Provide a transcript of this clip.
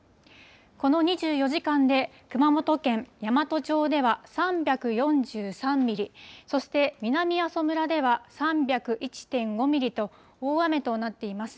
この２４時間で、熊本県山都町では３４３ミリ、そして南阿蘇村では３０１．５ミリと、大雨となっています。